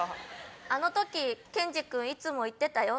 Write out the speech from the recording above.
あの時ケンジ君いつも言ってたよ。